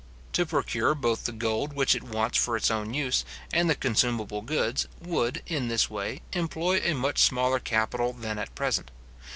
To procure both the gold which it wants for its own use, and the consumable goods, would, in this way, employ a much smaller capital than at present.